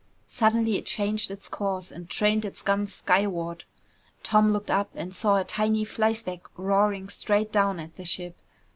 Suddenly it changed its course and trained its guns skyward. Tom looked up and saw a tiny flyspeck roaring straight down at the ship.